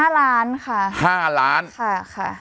หลวงพ่อปาน๕ล้านค่ะ๕ล้านค่ะค่ะ